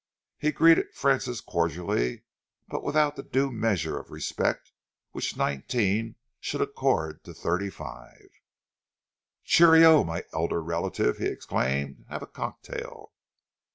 He greeted Francis cordially but without that due measure of respect which nineteen should accord to thirty five. "Cheerio, my elderly relative!" he exclaimed. "Have a cocktail."